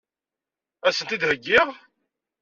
Ad sent-t-id-heggiɣ?